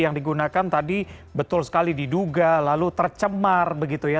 yang digunakan tadi betul sekali diduga lalu tercemar begitu ya